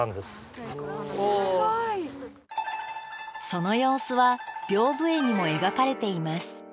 その様子は屏風絵にも描かれています。